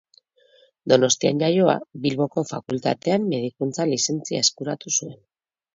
Donostian jaioa, Bilboko Fakultatean Medikuntza Lizentzia eskuratu zuen.